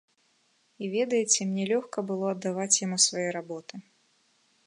І, ведаеце, мне лёгка было аддаваць яму свае работы.